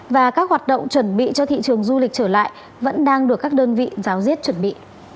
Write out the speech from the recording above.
và các hoạt động chuẩn bị cho thị trường du lịch trở lại vẫn đang được các đơn vị giáo diết chuẩn bị